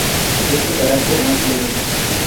Es de carácter más leve.